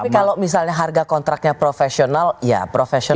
tapi kalau misalnya harga kontraknya profesional ya profesional